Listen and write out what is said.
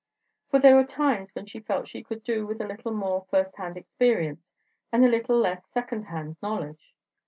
For there were times when she felt she could do with a little more first hand experience and a little less second hand knowledge.